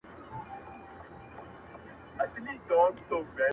بيا به يې خپه اشـــــــــــــنا,